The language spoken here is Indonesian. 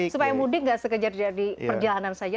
supaya mudik tidak sekejar kejar di perjalanan saja